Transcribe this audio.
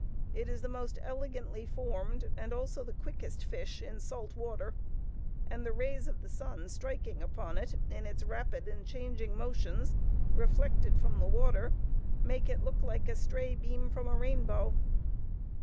It is the most elegantly formed, and also the quickest fish, in salt water; and the rays of the sun striking upon it, in its rapid and changing motions, reflected from the water, make it look like a stray beam from a rainbow.